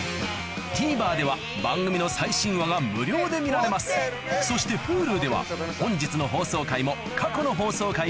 ＴＶｅｒでは番組の最新話が無料で見られますそしてＨｕｌｕでは本日の放送回も過去の放送回もいつでもどこでも見られます